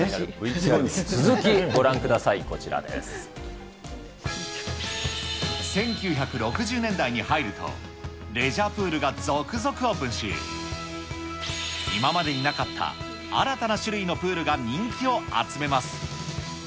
さあ、ではＶＴＲの続き、１９６０年代に入ると、レジャープールが続々オープンし、今までになかった新たな種類のプールが人気を集めます。